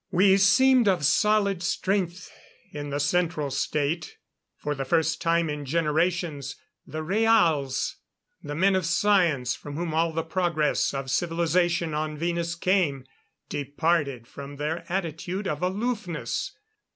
We seemed of solid strength in the Central State. For the first time in generations the Rhaals the men of science from whom all the progress of civilization on Venus came departed from their attitude of aloofness.